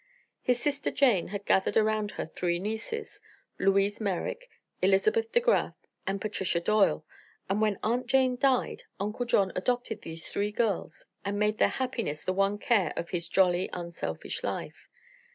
His sister Jane had gathered around her three nieces Louise Merrick, Elizabeth De Graf and Patricia Doyle and when Aunt Jane died Uncle John adopted these three girls and made their happiness the one care of his jolly, unselfish life.